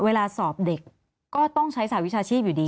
เวลาสอบเด็กก็ต้องใช้สหวิชาชีพอยู่ดี